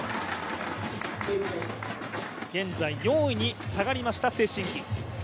現在４位に下がりました、崔宸曦。